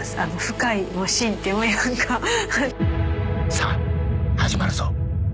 さあ、始まるぞ。